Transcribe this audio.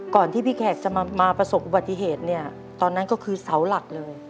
ที่พี่แขกจะมาประสบอุบัติเหตุเนี่ยตอนนั้นก็คือเสาหลักเลย